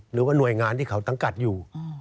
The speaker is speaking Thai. หรือว่าหน่วยงานที่เขาสังกัดอยู่